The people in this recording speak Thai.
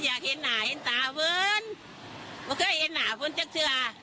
ก็อยากเห็นหน้าเห็นตาพื้นก็เห็นหน้าพื้นจักรเชื้อ